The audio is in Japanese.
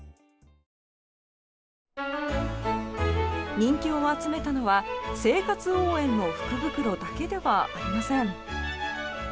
人気を集めたのは生活応援の福袋だけではありません。